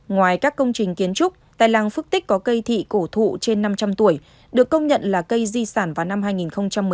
ngoài các công trình kiến trúc tại làng phước tích có cây thị cổ thụ trên năm trăm linh tuổi được công nhận là cây di sản vào năm hai nghìn một mươi